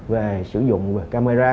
về sử dụng camera